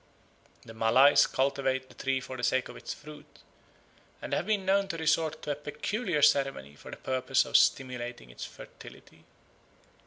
The Malays cultivate the tree for the sake of its fruit, and have been known to resort to a peculiar ceremony for the purpose of stimulating its fertility.